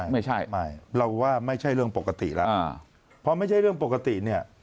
ไม่ใช่ไม่เราว่าไม่ใช่เรื่องปกติแล้วพอไม่ใช่เรื่องปกติเนี่ย